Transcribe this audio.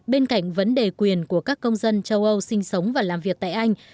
bên cạnh vấn đề quyền của các công dân châu âu sinh sống và làm việc tại anh